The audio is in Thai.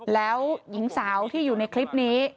แล้วหญิงสาวที่อยู่ในคลิปนี้